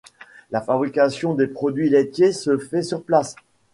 La fabrication des produits laitiers se fait sur place.